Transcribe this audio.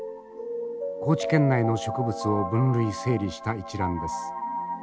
高知県内の植物を分類整理した一覧です。